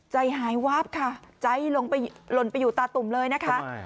ใจหายวาบค่ะใจหล่นไปอยู่ตาตุ่มเลยนะคะ